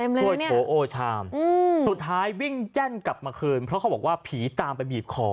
ถ้วยโถโอชามสุดท้ายวิ่งแจ้นกลับมาคืนเพราะเขาบอกว่าผีตามไปบีบคอ